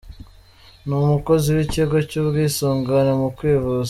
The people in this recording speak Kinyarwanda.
Ndi umukozi w’ikigo cy’ubwisungane mu kwivuza.